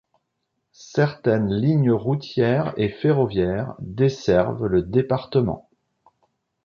Certaines lignes routières et ferroviaires desservent le département.